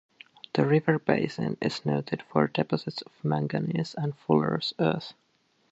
The river basin is noted for deposits of manganese and fuller's earth.